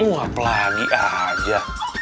uap lagi aja